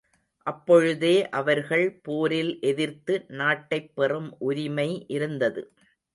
அப்பொழுதே அவர்கள் போரில் எதிர்த்து நாட்டைப் பெறும் உரிமை இருந்தது.